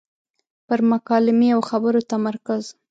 پر مکالمې او خبرو تمرکز.